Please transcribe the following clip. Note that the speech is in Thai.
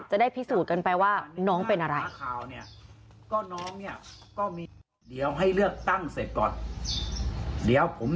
จะได้พิสูจน์กันไปว่าน้องเป็นอะไร